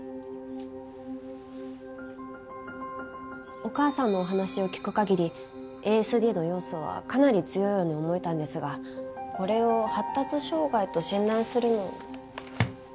お母さんのお話を聞く限りＡＳＤの要素はかなり強いように思えたんですがこれを発達障害と診断するのは。